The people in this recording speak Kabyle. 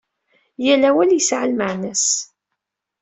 Yal awal yesɛa lmeɛna-s.